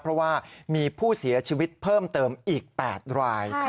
เพราะว่ามีผู้เสียชีวิตเพิ่มเติมอีก๘ราย